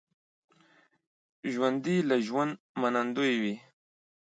ژوندي له ژونده منندوی وي